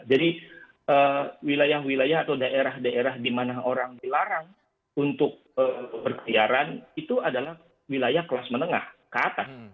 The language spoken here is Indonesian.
jadi wilayah wilayah atau daerah daerah di mana orang dilarang untuk berkeliaran itu adalah wilayah kelas menengah ke atas